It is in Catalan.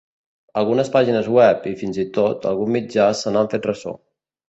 Algunes pàgines web i, fins i tot, algun mitjà se n’han fet ressò.